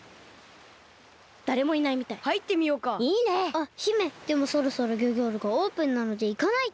あっ姫でもそろそろギョギョールがオープンなのでいかないと。